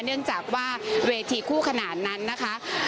เนื่องจากว่าเวทีคู่ขนานนั้นนะคะ